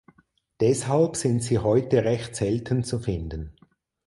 Deshalb sind sie heute recht selten zu finden.